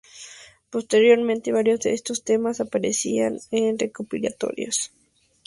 Posteriormente varios de estos temas aparecerían en recopilatorios de hip hop.